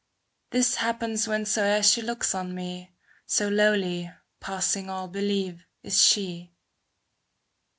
This happens whensoe'er she looks on me. So lowly, passing all belief, is she.